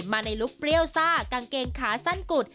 มาในลุคเปรี้ยวซ่ากางเกงขาสั้นกุด